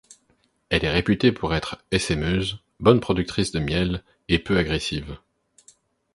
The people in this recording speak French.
Elle est réputée pour être essaimeuse, bonne productrice de miel et peu agressive.